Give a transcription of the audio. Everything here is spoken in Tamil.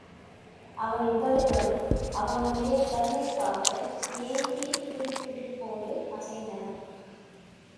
அவள் உதடுகள் அவனுடைய கருணைக்காக ஏங்கித் துடிதுடிப்போடு அசைந்தன.